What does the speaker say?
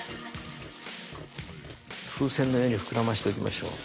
風船のように膨らませておきましょう。